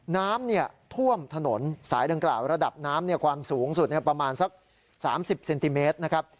น้ำท่วมถนนสายดังกล่าวระดับน้ำความสูงสุดประมาณสัก๓๐เซนติเมตรนะครับ